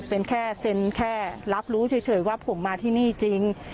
เป็นแค่เซ็นแค่รับรู้เฉยว่าผมมาที่นี่จริง